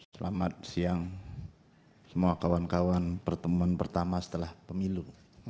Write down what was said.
selamat siang semua kawan kawan pertemuan pertama setelah pemilu